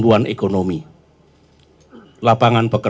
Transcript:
bagi siapa yang